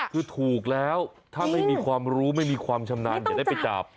คือถูกแล้วถ้าไม่มีความรู้ไม่มีความชำนาญอย่าได้ไปจับ